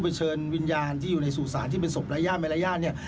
ไปเชิญวิญญาณที่อยู่ในสู่สารที่เป็นศพรายาทมายรายาทเนี่ย